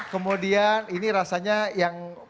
kemudian ini rasanya yang